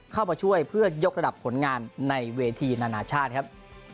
เข้ามาช่วยเพื่อยกระดับผลงานในเวทีนานาชาติครับ